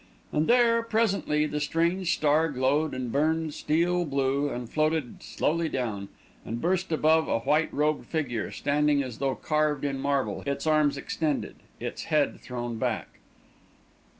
And there, presently, the strange star glowed and burned steel blue, and floated slowly down, and burst above a white robed figure, standing as though carved in marble, its arms extended, its head thrown back.